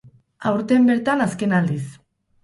Aurten bertan azken aldiz.